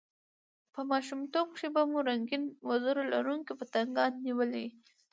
په ماشومتوب کښي به مو رنګین وزر لرونکي پتنګان نیولي يي!